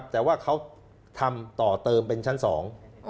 แต่ว่าเขาทำต่อเติมเป็นชั้นสอง